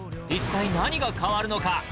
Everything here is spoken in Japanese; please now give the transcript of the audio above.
一体何が変わるのか？